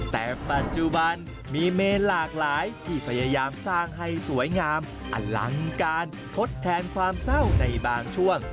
ที่พยายามสร้างให้สวยงามอลังการทดแทนความเศร้าในบางช่วง